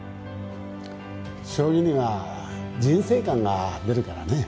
将棋には人生観が出るからね。